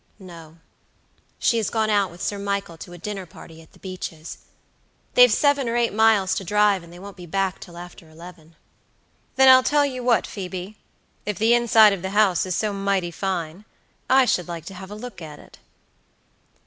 "No; she has gone out with Sir Michael to a dinner party at the Beeches. They've seven or eight miles to drive, and they won't be back till after eleven." "Then I'll tell you what, Phoebe, if the inside of the house is so mighty fine, I should like to have a look at it."